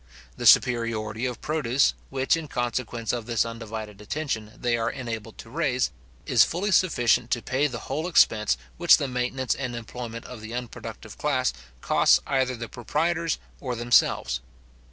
The superiority of produce, which in consequence of this undivided attention, they are enabled to raise, is fully sufficient to pay the whole expense which the maintenance and employment of the unproductive class costs either the proprietors or themselves.